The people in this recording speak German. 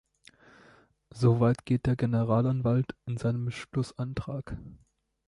So weit geht der Generalanwalt in seinem Schlussantrag.